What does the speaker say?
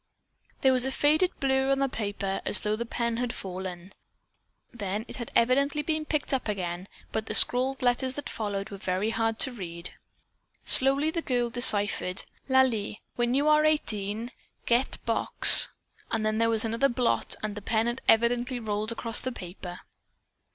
There was a faded blur on the paper as though the pen had fallen. Then it had evidently been picked up again, but the scrawled letters that followed were very hard to read. Slowly the girl deciphered: "Lalie, when you are eighteen, get box " Then there was another blot and the pen had evidently rolled across the paper.